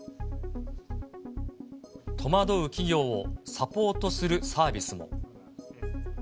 戸惑う企業をサポートするサービスも。